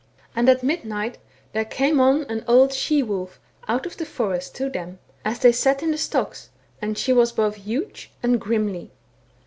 And at mid night there came an old she wolf out of the forest to them, as they sat in the stocks, and she was both huge and grimly.